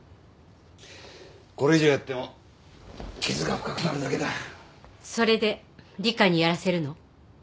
これ以上やっても傷が深くなるだけだそれでリカにやらせるの？